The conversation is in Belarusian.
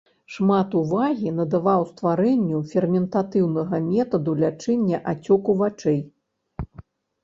Шмат увагі надаваў стварэнню ферментатыўнага метаду лячэння ацёку вачэй.